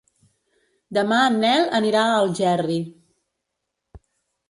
Demà en Nel anirà a Algerri.